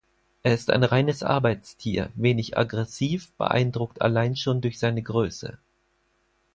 Er ist ein reines Arbeitstier, wenig aggressiv, beeindruckt allein schon durch seine Größe.